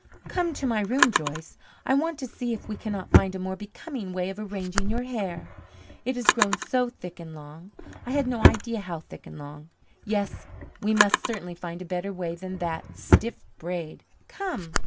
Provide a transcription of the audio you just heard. "Come to my room, Joyce. I want to see if we cannot find a more becoming way of arranging your hair. It has grown so thick and long. I had no idea how thick and long. Yes, we must certainly find a better way than that stiff braid. Come!"